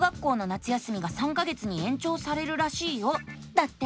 だって！